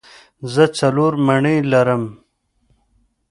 زه څلور مڼې لرم.